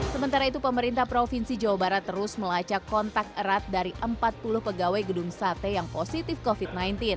sementara itu pemerintah provinsi jawa barat terus melacak kontak erat dari empat puluh pegawai gedung sate yang positif covid sembilan belas